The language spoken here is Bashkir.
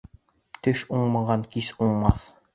Төш уңмаған кис уңмаҫ